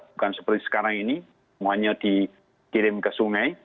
bukan seperti sekarang ini semuanya dikirim ke sungai